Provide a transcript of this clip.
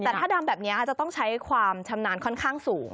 แต่ถ้าดำแบบนี้จะต้องใช้ความชำนาญค่อนข้างสูง